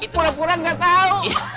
kura kura nggak tahu